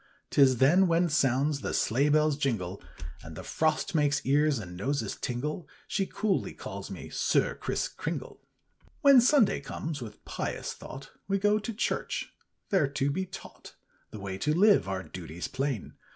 'Tis then when sounds the sleigh bell's jingle And the frost makes ears and noses tingle, She coolly calls me 'Sir Kriss Kringle.'" Copyrighted, 18U7 c^^aHEN Sunday comes, with pious thought We go to church, there to be taught The way to live, our duties plain.